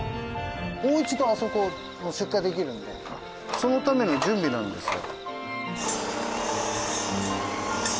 もう一度あそこ出荷できるのでそのための準備なんですよ。